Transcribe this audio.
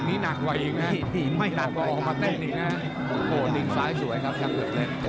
เฉียช่วง